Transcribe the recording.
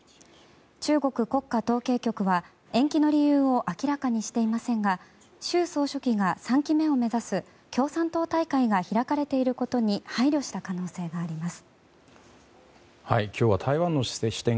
中国国家統計局は延期の理由を明らかにしていませんが習総書記が３期目を目指す共産党大会が開かれていることに配慮した可能性があります。